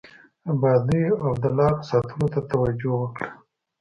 ابادیو او د لارو ساتلو ته توجه وکړه.